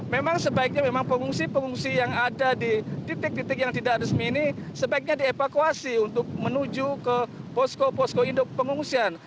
memang sebaiknya memang pengungsi pengungsi yang ada di titik titik yang tidak resmi ini sebaiknya dievakuasi untuk menuju ke posko posko induk pengungsian